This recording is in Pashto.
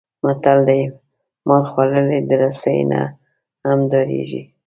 متل دی: مار خوړلی د رسۍ نه هم ډارېږي.